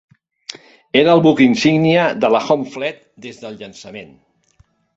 Era el buc insígnia de la Home Fleet des del llançament.